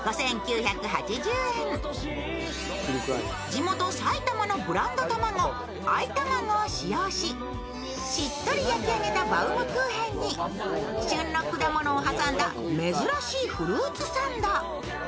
地元・埼玉のブランド卵、愛たまごを使用し、しっとり焼き上げたバウムクーヘンに旬の果物を挟んだ珍しいフルーツサンド。